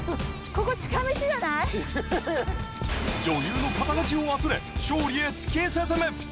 女優の肩書きを忘れ勝利へ突き進む。